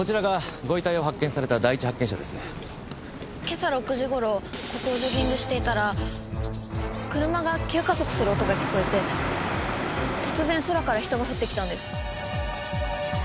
今朝６時頃ここをジョギングしていたら車が急加速する音が聞こえて突然空から人が降ってきたんです。